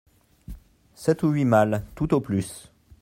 Sept ou huit malles, tout au plus.